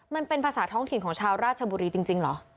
มันเป็นภาษาท้องถิ่นของชาวราชบุรีจริงเหรอ